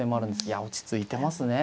いや落ち着いてますね。